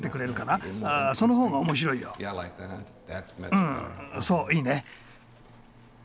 うんそういいね。